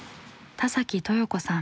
田豊子さん。